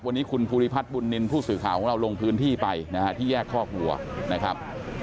วันนี้คุณภูริพัฒน์บุญนินทร์ผู้สื่อข่าวของเราลงพื้นที่ไปนะฮะที่แยกคอกวัวนะครับ